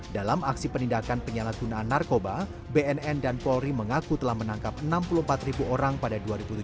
dalam aksi penindakan penyalahgunaan narkoba bnn dan polri mengaku telah menangkap enam puluh empat ribu orang pada dua ribu tujuh belas